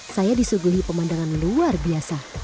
saya disuguhi pemandangan luar biasa